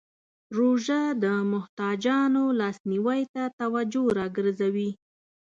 روژه د محتاجانو لاسنیوی ته توجه راګرځوي.